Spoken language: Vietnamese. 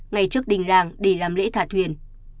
ngay trước đình làng để làm lễ thả thuyền